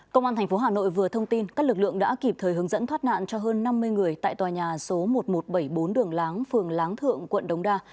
công an tp hà nội vừa thông tin các lực lượng đã kịp thời hướng dẫn thoát nạn cho hơn năm mươi người tại tòa nhà số một nghìn một trăm bảy mươi bốn đường láng phường láng thượng quận đống đa